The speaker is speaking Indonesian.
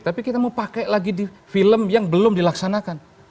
tapi kita mau pakai lagi di film yang belum dilaksanakan